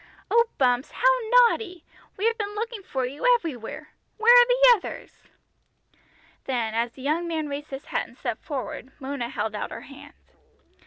"Oh, Bumps, how naughty! We have been looking for you everywhere! Where are the others?" Then as the young man raised his hat and stepped forward, Mona held out her hand.